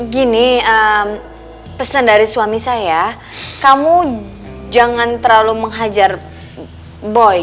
gini pesan dari suami saya kamu jangan terlalu menghajar boy